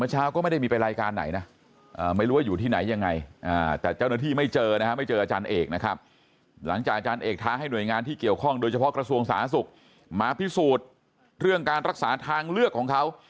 หลังจากอาจารย์เอกท้าให้หน่วยงานที่เกี่ยวข้องโดยเฉพาะกระทรวงศาสตร์ศุกร์มาพิสูจน์เรื่องการรักษาทางเลือกของเขา